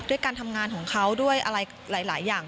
การทำงานของเขาด้วยอะไรหลายอย่าง